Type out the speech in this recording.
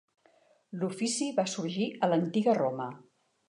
L'ofici va sorgir a l'Antiga Roma.